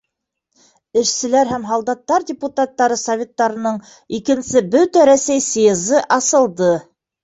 Эшселәр һәм һалдаттар депутаттары Советтарының Икенсе Бөтә Рәсәй съезы асылды.